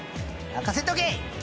任せとけ！